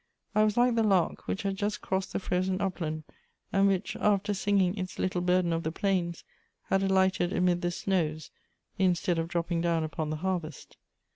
I was like the lark which had just crossed the frozen upland, and which, after singing its little burden of the plains, had alighted amid the snows, instead of dropping down upon the harvest.